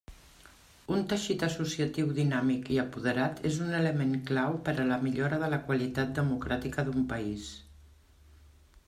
Un teixit associatiu dinàmic i apoderat és un element clau per a la millora de la qualitat democràtica d'un país.